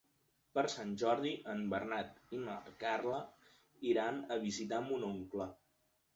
Per Sant Jordi en Bernat i na Carla iran a visitar mon oncle.